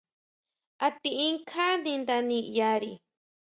A tiʼin kjáni nda ʼniʼyari.